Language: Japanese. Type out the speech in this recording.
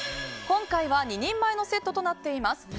今回は２人前のセットとなっております。